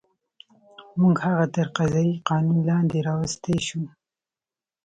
موږ هغه تر قضایي قانون لاندې راوستی شو.